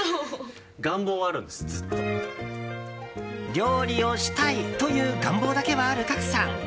料理をしたいという願望だけはある賀来さん。